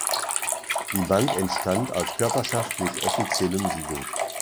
Die Bank entstand als Körperschaft mit offiziellem Siegel.